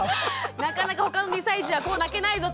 なかなか他の２歳児はこう泣けないぞと。